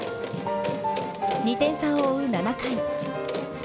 ２点差を追う７回。